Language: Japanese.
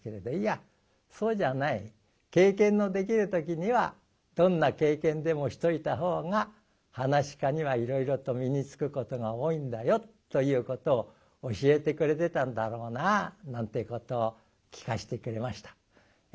経験のできる時にはどんな経験でもしといた方が噺家にはいろいろと身につくことが多いんだよということを教えてくれてたんだろうななんてことを聞かせてくれました。